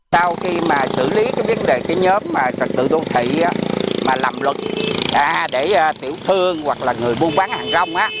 sau khi xử lý vấn đề nhóm trật tự đô thị mà lầm luật để tiểu thương hoặc là người buôn bán hàng rong